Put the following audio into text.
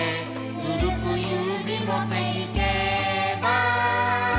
「ぬるくゆるびもていけば、」